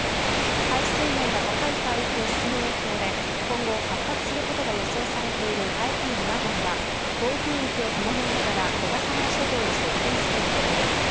海水温が高い海域を進む影響で今後発達することが予想されている台風７号は暴風域を伴いながら小笠原諸島に接近する見込みです。